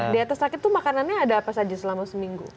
di atas rakit itu makanannya ada apa saja selama seminggu